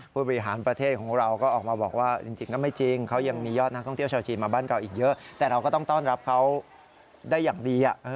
ผู้บริหารประเทศของเราก็ออกมาบอกว่าจริงก็ไม่จริงเขายังมียอดนักท่องเที่ยวชาวจีนมาบ้านเราอีกเยอะแต่เราก็ต้องต้อนรับเขาได้อย่างดี